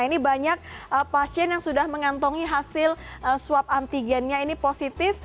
ini banyak pasien yang sudah mengantongi hasil swab antigennya ini positif